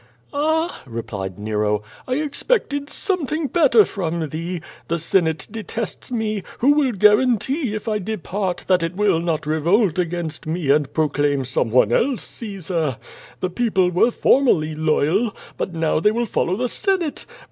"Ah!" replied Nero, "1 expected something better from QUO VADtH, 357 thee. 'I'lie senate detests me, who will guarantee if I de part, that it will not revolt against me and proclaim some one else Csesar? The people were formally loyal, but now they will follow the senate.